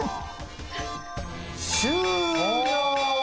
終了！